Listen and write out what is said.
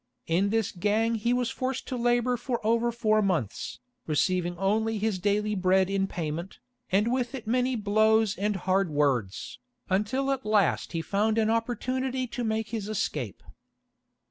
In this gang he was forced to labour for over four months, receiving only his daily bread in payment, and with it many blows and hard words, until at last he found an opportunity to make his escape.